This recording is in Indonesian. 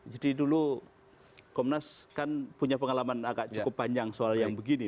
jadi dulu komnas kan punya pengalaman agak cukup panjang soal yang begini